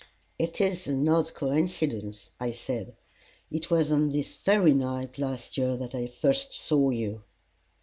"It is an odd coincidence," I said; "it was on this very night last year that I first saw you."